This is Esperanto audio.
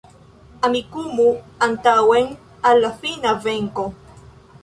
Amikumu antaŭen al la fina venko